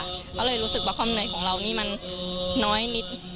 ก็เลยรู้สึกว่าความเหนื่อยของเรานี่มันน้อยนิด